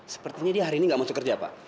sepertinya dia hari ini nggak masuk kerja pak